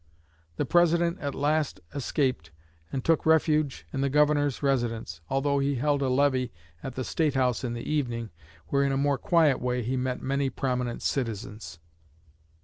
The President at last escaped, and took refuge in the Governor's residence, although he held a levee at the State House in the evening, where in a more quiet way he met many prominent citizens."